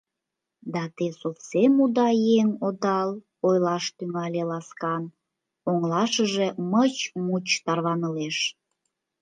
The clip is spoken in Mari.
— Да те совсем уда еҥ одал, — ойлаш тӱҥале ласкан, оҥылашыже мыч-муч тарванылеш.